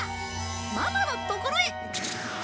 ママのところへ。